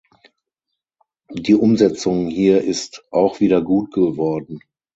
Die Umsetzung hier ist auch wieder gut geworden.